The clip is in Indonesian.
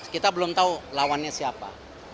kita belum tahu lawannya siapa